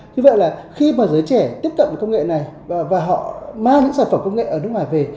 như vậy là khi mà giới trẻ tiếp cận công nghệ này và họ mang những sản phẩm công nghệ ở nước ngoài về